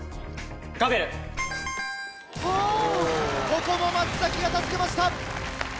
５ここも松が助けました。